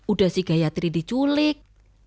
udah si gayatri diculik